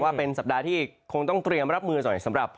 ว่าเป็นสัปดาห์ที่คงต้องเตรียมรับมือหน่อยสำหรับ